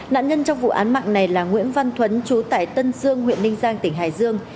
nạn nhân trong vụ án mạng này là nguyễn văn thuấn chú tải tân dương huyện ninh giang tỉnh hải dương